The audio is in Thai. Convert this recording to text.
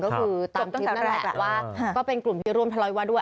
ก็คือตามคิดนั่นแหละว่าก็เป็นกลุ่มที่ร่วมถลอยวาดด้วย